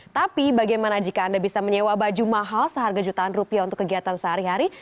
tapi bagaimana jika anda bisa menyewa baju mahal seharga jutaan rupiah untuk kegiatan sehari hari